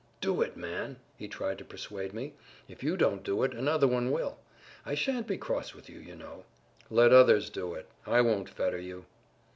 "Do it, man," he tried to persuade me; "if you don't do it another one will. I shan't be cross with you, you know."—"Let others do it; I won't fetter you."